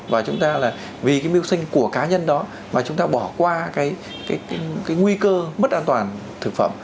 và chúng ta là vì cái mưu sinh của cá nhân đó mà chúng ta bỏ qua cái nguy cơ mất an toàn thực phẩm